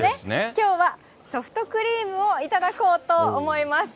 きょうはソフトクリームを頂こうと思います。